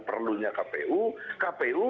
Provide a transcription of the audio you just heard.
perlunya kpu kpu